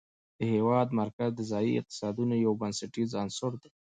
د هېواد مرکز د ځایي اقتصادونو یو بنسټیز عنصر دی.